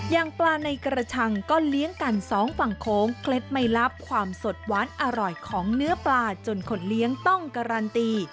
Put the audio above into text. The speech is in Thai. อย่างปลาในกระชังก็เลี้ยงกันสองฝั่งโค้งเคล็ดไม่ลับความสดหวานอร่อยของเนื้อปลาจนคนเลี้ยงต้องการันตี